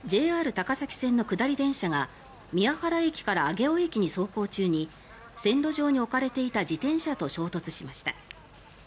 ＪＲ高崎線の下り電車が宮原駅から上尾駅に走行中に線路上に置かれていた自転車と衝突しました。